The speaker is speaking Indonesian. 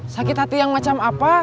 sakit hati yang macam apa